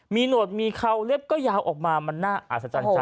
มีหนวดมีเขาเล็บก็ยาวออกมามันน่าอัศจรรย์จริงนะครับ